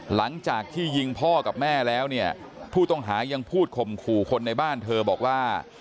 หลังจากที่ยิงพ่อกับแม่แล้วเนี่ยผู้ต้องหายังพูดข่มขู่คนในบ้านเธอบอกว่า